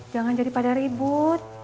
jangan jadi pada ribut